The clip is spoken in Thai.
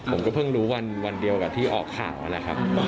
ผมก็เพิ่งรู้วันเดียวกับที่ออกข่าวนั่นแหละครับ